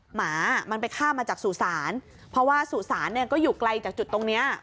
หมามันไปข้ามมาจากสู่ศาลเพราะว่าสุสานเนี่ยก็อยู่ไกลจากจุดตรงเนี้ย